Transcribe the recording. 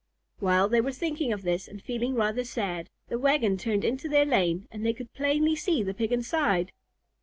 While they were thinking of this and feeling rather sad, the wagon turned into their lane and they could plainly see the Pig inside.